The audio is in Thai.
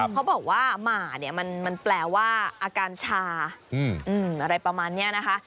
เขาบอกว่าหมาเนี่ยมันแปลว่าอาการชาอะไรประมาณนี้นะคะ